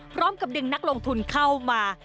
พร้อมกับดึงนักลงทุนเข้ามา